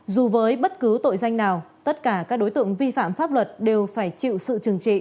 dù với bất cứ tội danh nào tất cả các đối tượng vi phạm pháp luật đều phải chịu sự trừng trị